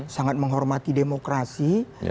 sangat menghormati demokrasi